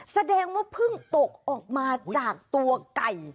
แสดงว่าเพิ่งตกออกมาจากตัวไก่